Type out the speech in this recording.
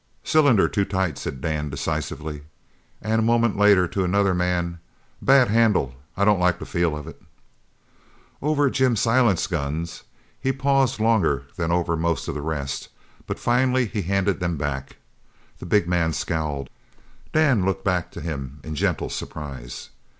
"Cylinder too tight," said Dan decisively, and a moment later to another man, "Bad handle. I don't like the feel of it." Over Jim Silent's guns he paused longer than over most of the rest, but finally he handed them back. The big man scowled. Dan looked back to him in gentle surprise.